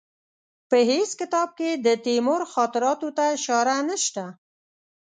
په هېڅ کتاب کې د تیمور خاطراتو ته اشاره نشته.